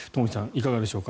いかがでしょうか。